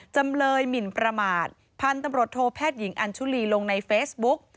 จำเลยหมินประมาทพันธุ์ตำรวจโทแพทย์หญิงอัญชุลีลงในเฟซบุ๊ก